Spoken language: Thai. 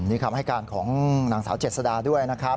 นี่คำให้การของนางสาวเจษดาด้วยนะครับ